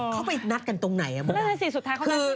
เข้าไปนัดกันตรงไหนอะพวก